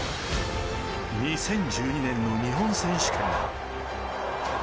２０１２年の日本選手権。